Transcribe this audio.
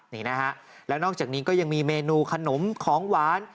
นี่นะฮะแล้วนอกจากนี้ก็ยังมีเมนูขนมของหวาน